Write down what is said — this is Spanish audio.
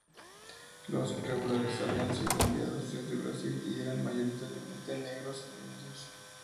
Los regulares habían sido enviados desde Brasil y eran mayoritariamente negros o indios.